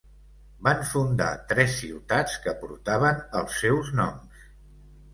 Van fundar tres ciutats que portaven els seus noms.